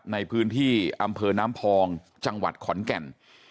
ในพื้นที่อำเภอน้ำพองจังหวัดขอนแก่น